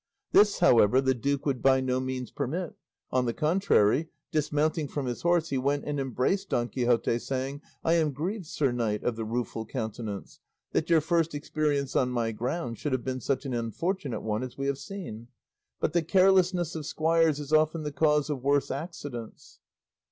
This, however, the duke would by no means permit; on the contrary, dismounting from his horse, he went and embraced Don Quixote, saying, "I am grieved, Sir Knight of the Rueful Countenance, that your first experience on my ground should have been such an unfortunate one as we have seen; but the carelessness of squires is often the cause of worse accidents."